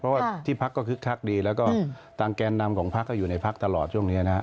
เพราะว่าที่พักก็คึกคักดีแล้วก็ทางแกนนำของพักก็อยู่ในพักตลอดช่วงนี้นะฮะ